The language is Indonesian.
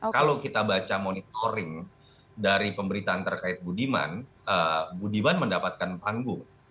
kalau kita baca monitoring dari pemberitaan terkait budiman budiman mendapatkan panggung